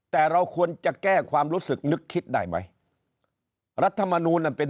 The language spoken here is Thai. แต่เราควรจะแก้ความรู้สึกนึกคิดได้ไหมรัฐมนูลนั้นเป็น